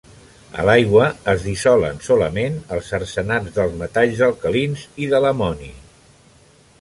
A l'aigua es dissolen solament els arsenats dels metalls alcalins i de l'amoni.